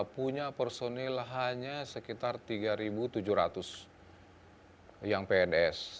punya personil hanya sekitar tiga tujuh ratus yang pns